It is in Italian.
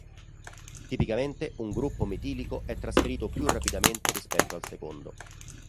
Tipicamente, un gruppo metilico è trasferito più rapidamente rispetto al secondo.